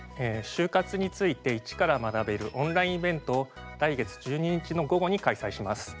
就活について一から学べるオンラインイベントを来月１２日の午後に開催します。